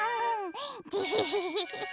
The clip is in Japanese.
デヘヘヘ。